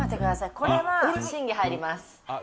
これは審議入ります。